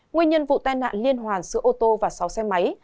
nguyên nhân vụ tai nạn liên hoàn giữa ô tô và sáu xe máy